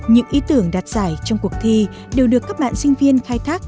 những ý tưởng đạt giải trong cuộc thi đều được các bạn sinh viên khai thác